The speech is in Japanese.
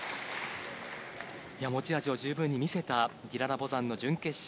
持ち味をじゅうぶんに見せたディララ・ボザンの準決勝。